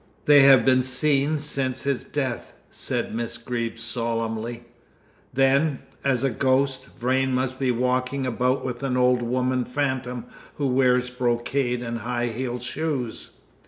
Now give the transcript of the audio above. "They have been seen since his death," said Miss Greeb solemnly. "Then, as a ghost, Vrain must be walking about with the old woman phantom who wears brocade and high heeled shoes."